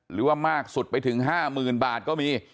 หรือว่ามากสุดไปถึงห้าหมื่นบาทก็มี